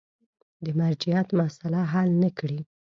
د مرجعیت مسأله حل نه کړي.